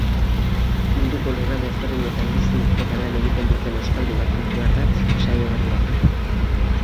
Munduko lurralde ezberdinetan bizi eta lan egiten duten euskaldunak ditu ardatz saio berriak.